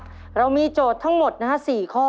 ด้วยเกมต่อชีวิตนี่โจทย์ทั้งหมดนะฮะ๔ข้อ